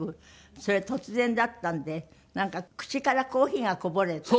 それは突然だったんでなんか口からコーヒーがこぼれた？